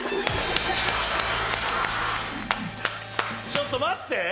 ちょっと待って。